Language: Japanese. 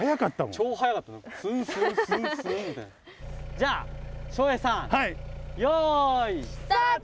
じゃあ照英さんよい。スタート！